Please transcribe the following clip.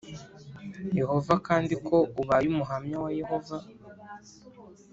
Yehova kandi ko ubaye umuhamya wa yehova